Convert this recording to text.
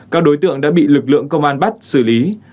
các đối tượng đã bị lực lượng công an bắt xử lý